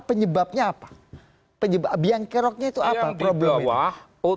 penyebabnya apa penyebab yang keroknya itu apa berubah otoritas yang lebih rendah taat kepada